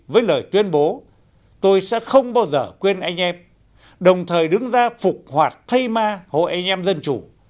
với lời tuyên bố tôi sẽ không bao giờ quên anh em đồng thời đứng ra phục hoạt thay ma hội anh em dân chủ